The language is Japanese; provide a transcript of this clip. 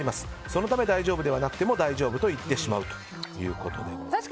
そのため、大丈夫でなくても大丈夫と言ってしまうということです。